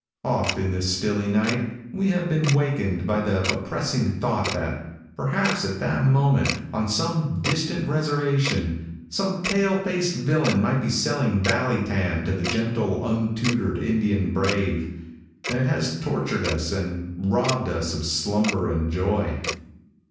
Oft in the stilly night we have been wakened by the oppressing thought that, perhaps at that moment, on some distant reservation, some pale faced villain might be selling valley tan to the gentle, untutored Indian brave, and it has tortured us and robbed us of slumber and joy.